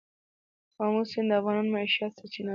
آمو سیند د افغانانو د معیشت سرچینه ده.